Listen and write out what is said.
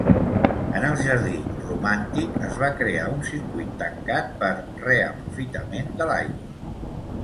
En el jardí romàntic es va crear un circuit tancat per reaprofitament de l'aigua.